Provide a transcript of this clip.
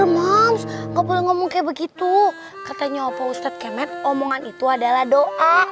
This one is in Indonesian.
mons gak boleh ngomong kayak begitu katanya opo ustadz kemet omongan itu adalah doa